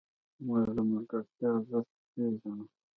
موږ د ملګرتیا ارزښت پېژنو.